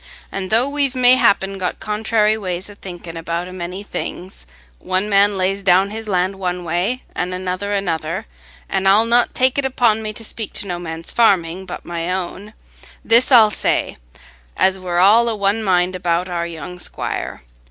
And though we've mayhappen got contrairy ways o' thinking about a many things—one man lays down his land one way an' another another—an' I'll not take it upon me to speak to no man's farming, but my own—this I'll say, as we're all o' one mind about our young squire.